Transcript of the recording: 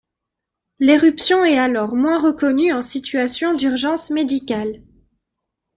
L'éruption est alors moins reconnue en situation d'urgence médicale.